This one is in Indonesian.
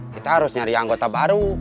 kita harus nyari anggota baru